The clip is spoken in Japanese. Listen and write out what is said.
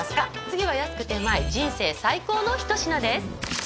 次は安くて旨い人生最高の一品です